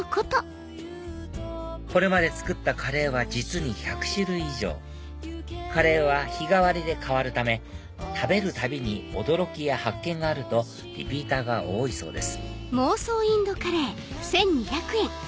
これまで作ったカレーは実に１００種類以上カレーは日替わりで替わるため食べるたびに驚きや発見があるとリピーターが多いそうです